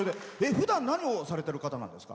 ふだん何をされてる方なんですか。